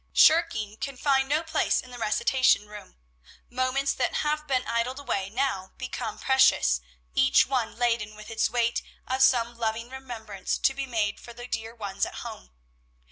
Shirking can find no place in the recitation room. Moments that have been idled away now become precious, each one laden with its weight of some loving remembrance to be made for the dear ones at home.